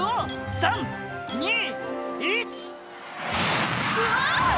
「３・２・１」うわ！